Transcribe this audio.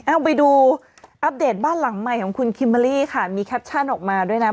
เอาไปดูอัปเดตบ้านหลังใหม่ของคุณคิมเบอร์รี่ค่ะมีแคปชั่นออกมาด้วยนะ